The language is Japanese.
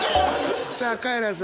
さあカエラさん。